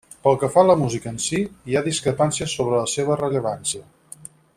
Pel que fa a la música en si, hi ha discrepàncies sobre la seva rellevància.